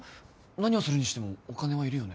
何をするにしてもお金はいるよね